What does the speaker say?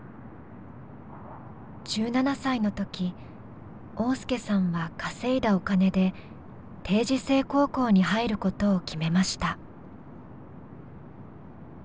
１７歳の時旺亮さんは稼いだお金で定時制高校に入ることを決めました。